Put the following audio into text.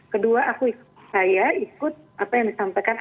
kedua aku ikut saya ikut apa yang disampaikan